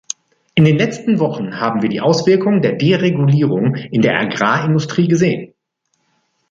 In den letzten Wochen haben wir die Auswirkungen der Deregulierung in der Agrarindustrie gesehen.